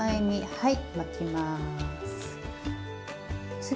はい。